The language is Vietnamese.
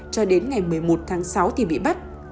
cho đến ngày một mươi một tháng sáu thì bị bắt